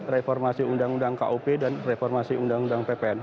reformasi undang undang kop dan reformasi undang undang ppn